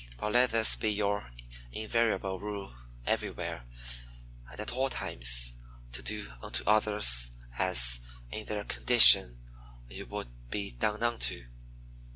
But let this be your invariable rule everywhere, and at all times, to do unto others as, in their condition, you would be done unto.